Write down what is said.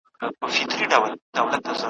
او پر غوږونو یې د رباب د شرنګ `